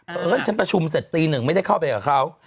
เพราะเอิญฉันประชุมเสร็จตีหนึ่งไม่ได้เข้าไปกับเขา